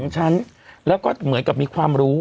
๒ชั้นแล้วก็เหมือนกับมีความรู้